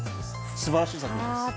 素晴らしい作品です。